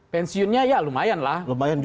pensiunnya ya lumayan lah